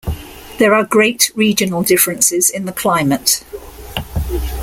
There are great regional differences in the climate.